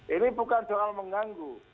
ini bukan soal mengganggu